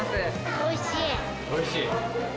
おいしい！